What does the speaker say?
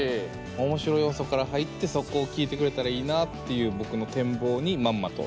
面白要素から入ってそこを聴いてくれたらいいなっていう僕の展望にまんまと。